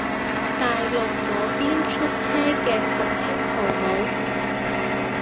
大陸嗰邊出車嘅復興號冇